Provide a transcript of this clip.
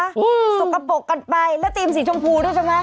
สกปรกกันไปแล้วทีมสีชมพูด้วยใช่ไหม